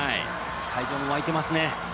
会場も沸いてますね。